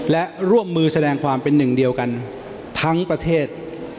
และร่วมมือแสดงความเป็นหนึ่งเดียวกันทั้งประเทศ